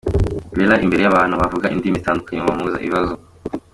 Bella imbere y'abantu bavuga indimi zitandukanye bamubaza ibibazo.